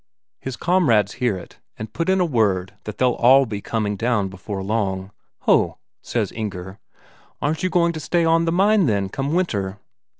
His comrades hear it, and put in a word that they'll all be coming down before long. "Ho!" says Inger. "Aren't you going to stay on the mine, then, come winter?"